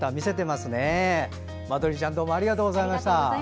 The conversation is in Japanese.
まどりちゃんどうもありがとうございました。